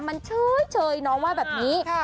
มันเฉยน้องว่าแบบนี้